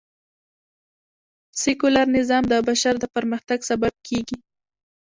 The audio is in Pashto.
سکیولر نظام د بشر د پرمختګ سبب کېږي